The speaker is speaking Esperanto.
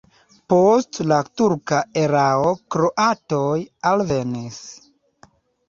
Post la turka erao kroatoj alvenis.